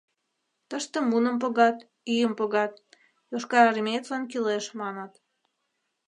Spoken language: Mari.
— Тыште муным погат, ӱйым погат: йошкарармеецлан кӱлеш, маныт.